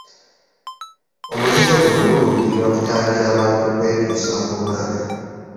Omuzizo guno guluubirira kutangira bantu kwetuusaako bulabe.